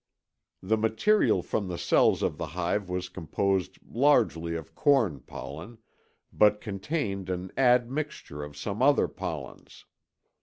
The material from the cells of the hive was composed largely of corn pollen, but contained an admixture of some other pollens.